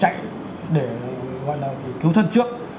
chạy để gọi là cứu thân trước